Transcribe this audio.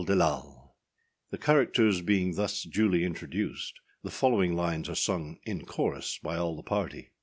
The characters being thus duly introduced, the following lines are sung in chorus by all the party.